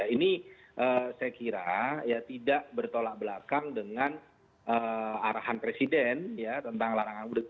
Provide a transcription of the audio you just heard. ini saya kira ya tidak bertolak belakang dengan arahan presiden ya tentang larangan mudik